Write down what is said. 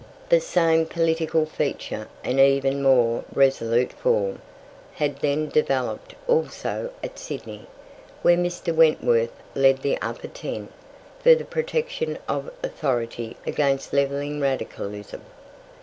The same political feature, and even in more resolute form, had then developed also at Sydney, where Mr. Wentworth led the "upper ten," for the protection of authority against levelling radicalism.